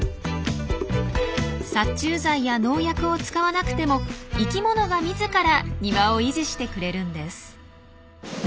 殺虫剤や農薬を使わなくても生きものが自ら庭を維持してくれるんです。